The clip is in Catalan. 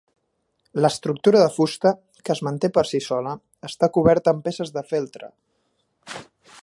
L'estructura de fusta, que es manté per si sola, està coberta amb peces de feltre.